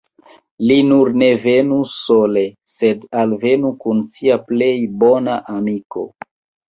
Li nur ne venu sole, sed alvenu kun sia plej bona amiko.